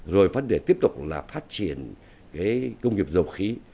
rồi vấn đề tiếp tục là phát triển cái công nghiệp dầu khí